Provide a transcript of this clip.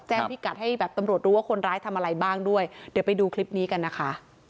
พิกัดให้แบบตำรวจรู้ว่าคนร้ายทำอะไรบ้างด้วยเดี๋ยวไปดูคลิปนี้กันนะคะ